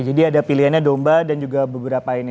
jadi ada pilihannya domba dan juga beberapa ini